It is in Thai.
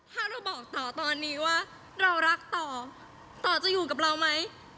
ถ้าเราบอกต่อตอนนี้ว่าเรารักต่อต่อจะอยู่กับเราไหม